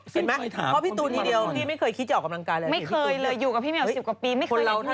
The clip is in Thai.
สิ่งตัวดำโชคใช่ไหมคะ